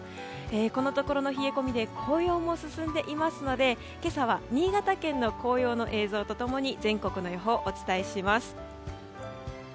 このところの冷え込みで紅葉も進んでいますので今朝は、新潟県の紅葉の映像と共に全国の予報、お伝えします。